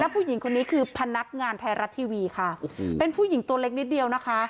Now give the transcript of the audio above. ผู้หญิงคนนี้คือพนักงานไทยรัฐทีวีค่ะเป็นผู้หญิงตัวเล็กนิดเดียวนะคะ